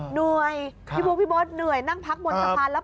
หน่วยพี่บุ๊คพี่บอสหน่วยนั่งพักบนสะพันธุ์